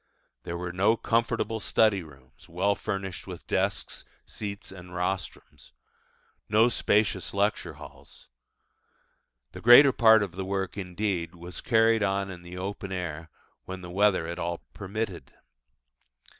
There were no comfortable study rooms, well furnished with desks, seats, and rostrums: no spacious lecture halls. The greater part of the work, indeed, was carried on in the open air when the weather at all permitted.